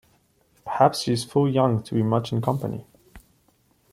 Perhaps she is full young to be much in company.